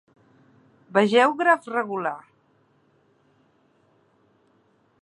Vegeu graf regular.